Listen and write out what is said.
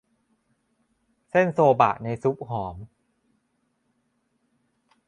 เส้นโซบะในซุปหอม